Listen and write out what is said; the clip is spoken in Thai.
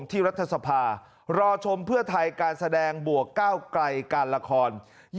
รัฐสภารอชมเพื่อไทยการแสดงบวกก้าวไกลการละคร